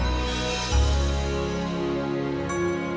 sekarang ibu masuk